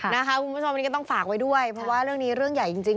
คุณผู้ชมอันนี้ก็ต้องฝากไว้ด้วยเพราะว่าเรื่องนี้เรื่องใหญ่จริง